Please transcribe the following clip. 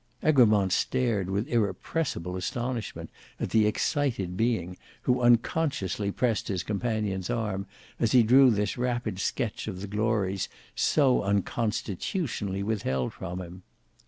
Egremont stared with irrepressible astonishment at the excited being, who unconsciously pressed his companion's arm, as he drew this rapid sketch of the glories so unconstitutionally withheld from him.